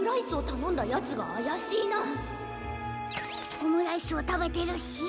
オムライスをたべてるし。